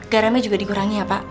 garamnya juga dikurangi ya pak